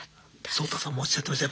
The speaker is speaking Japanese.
ソウタさんもおっしゃってました。